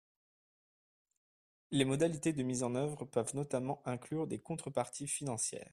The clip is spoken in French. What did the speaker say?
» Les modalités de mise en œuvre peuvent notamment inclure des contreparties financières.